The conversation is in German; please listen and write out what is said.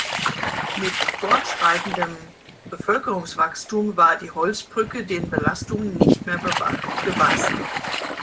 Mit fortschreitendem Bevölkerungswachstum war die Holzbrücke den Belastungen nicht mehr gewachsen.